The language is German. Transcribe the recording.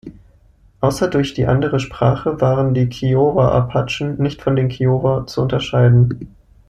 Außer durch die andere Sprache waren die Kiowa-Apachen nicht von den Kiowa zu unterscheiden.